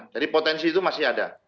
jadi potensi itu masih ada